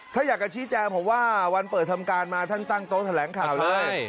ถ้าอยากจะชี้แจงผมว่าวันเปิดทำการมาท่านตั้งโต๊ะแถลงข่าวเลย